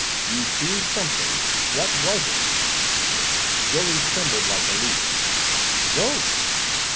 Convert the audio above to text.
"You've seen something! What was it!" Billy trembled like a leaf. "Ghost!